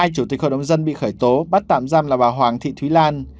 hai chủ tịch hội đồng dân bị khởi tố bắt tạm giam là bà hoàng thị thúy lan